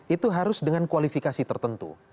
itu harus dengan kualifikasi tertentu